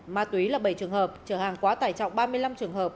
ma túy là bảy trường hợp trở hàng quá tải trọng ba mươi năm trường hợp